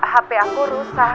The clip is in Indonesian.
hp aku rusak